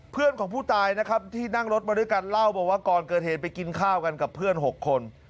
เพื่อนของผู้ตายนะครับที่นั่งรถมาด้วยกันเล่าบอกว่าก่อนเกิดเหตุไปกินข้าวกันกับเพื่อน๖คน